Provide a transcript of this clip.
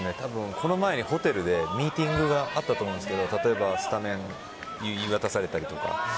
この前、ホテルでミーティングがあったと思うんですけど例えばスタメン言い渡されたりとか。